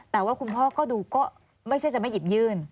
แต่ว่าคุณพ่อก็ดูก็ไม่ใช่จะไม่หยิบยื่น